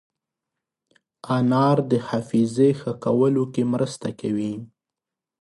انار د حافظې ښه کولو کې مرسته کوي.